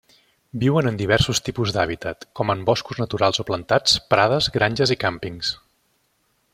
Viuen en diversos tipus d'hàbitat, com en boscos naturals o plantats, prades, granges i càmpings.